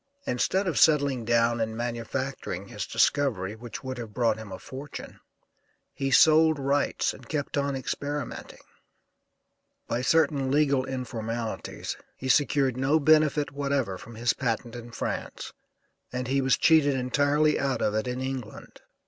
Instead of settling down and manufacturing his discovery, which would have brought him a fortune, he sold rights and kept on experimenting. By certain legal informalities he secured no benefit whatever from his patent in France and he was cheated entirely out of it in England.